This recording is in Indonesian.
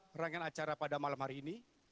perangan acara pada malam hari ini